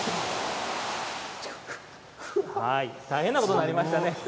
大変なことになりましたね。